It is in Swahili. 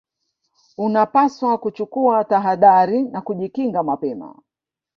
unapaswa kuchukua tahadhari na kujikinga mapema